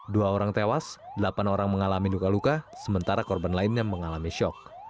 dua orang tewas delapan orang mengalami luka luka sementara korban lainnya mengalami syok